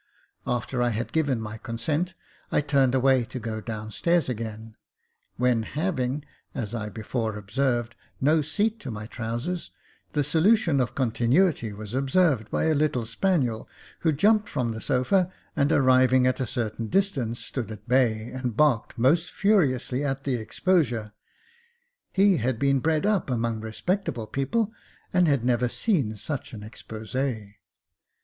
After I had given my consent, I turned away to go down stairs again, when having, as I before observed, no seat to my trousers, the solution of continuity was observed by a little spaniel, who jumped from the sofa, and arriving at a certain distance, stood at bay, and barked most furiously at the exposure. He had been bred up among respectable people, and had never seen such an expose.